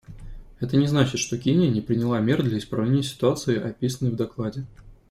Это не значит, что Кения не приняла мер для исправления ситуации, описанной в докладе.